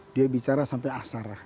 dia bicara sampai asar